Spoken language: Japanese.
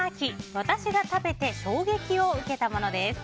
私が食べて衝撃を受けたものです。